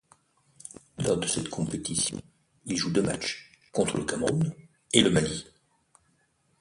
Lors de cette compétition, il joue deux matchs, contre le Cameroun, et le Mali.